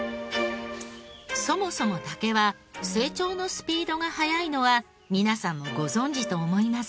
そもそも竹は成長のスピードが早いのは皆さんもご存じと思いますが。